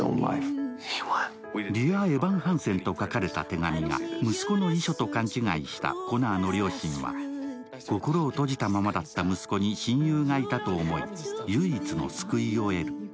「ＤｅａｒＥｖａｎＨａｎｓｅｎ」と書かれた手紙が息子の遺書と勘違いしたコナーの両親は、心を閉じたままだった息子に親友がいたと思い、唯一の救いを得る。